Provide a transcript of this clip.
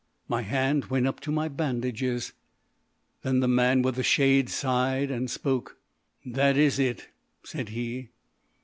My hand went up to my bandages. Then the man with the shade sighed and spoke. "That is it," said he.